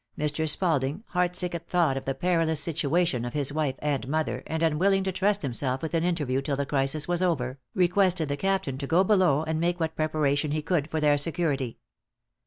Mr. Spalding, heart sick at thought of the perilous situation of his wife and mother, and unwilling to trust himself with an interview till the crisis was over, requested the captain to go below and make what preparation he could for their security.